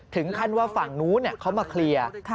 ถึงขั้นว่าฝั่งนู้นเขามาเคลียร์